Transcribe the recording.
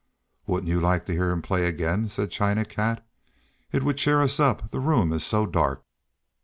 "Wouldn't you like to hear him play again?" said China Cat. "It would cheer us up, the room is so dark."